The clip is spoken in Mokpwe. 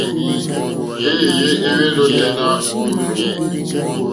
Éèyé éhwélì ôténá mòrzô.